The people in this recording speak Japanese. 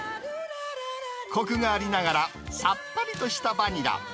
こくがありながら、さっぱりとしたバニラ。